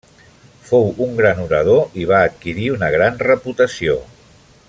Fou un gran orador i va adquirir una gran reputació.